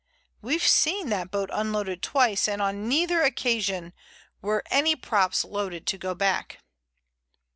We've seen that boat unloaded twice, and on neither occasion were any props loaded to go back."